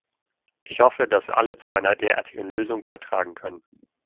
Ich hoffe, dass wir alle zu einer derartigen Lösung beitragen können.